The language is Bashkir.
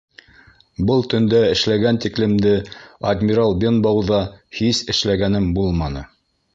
Был төндә эшләгән тиклемде «Адмирал Бенбоу»ҙа һис эшләгәнем булманы.